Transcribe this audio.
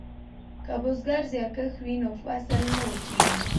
که بزګر زیارکښ وي نو فصل نه وچیږي.